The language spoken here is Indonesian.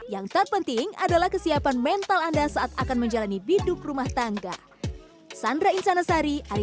yang terpenting adalah kesiapan mental anda saat akan menjalani biduk rumah tangga